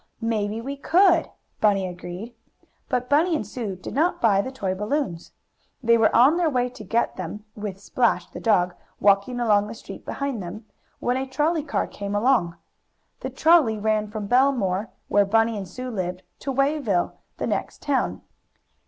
"Maybe we could," Bunny agreed. But Bunny and Sue did not buy the toy balloons. They were on their way to get them, with Splash, the dog, walking along the street behind them, when a trolley car came along. The trolley ran from Bellemere, where Bunny and Sue lived, to Wayville, the next town.